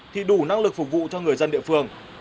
thì đủ năng lực phục vụ cho người dân địa phương